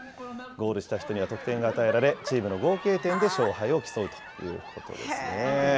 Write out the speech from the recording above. ゴールした人には得点が与えられ、チームの合計点で勝敗を競うということですね。